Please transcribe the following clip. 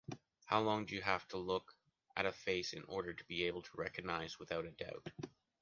How long do you have to look at a face in order to be able to recognize without a doubt.